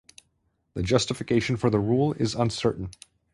The justification for the rule is uncertain.